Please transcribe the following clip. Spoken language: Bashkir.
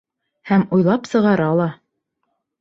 Һәм уйлап сығара ла.